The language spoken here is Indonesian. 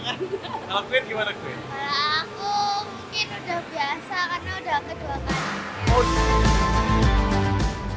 kalau aku mungkin udah biasa karena udah kedua kali